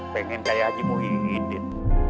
pengen kayak haji muhyiddin